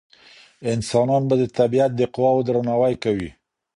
انسانان به د طبيعت د قواوو درناوی کوي.